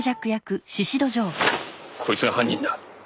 こいつが犯人だ！